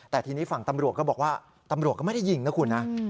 แต่ทีนี้ฝั่งตำรวจก็บอกว่าตำรวจก็ไม่ได้ยิงนะคุณนะ